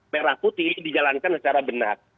merah putih dijalankan secara benar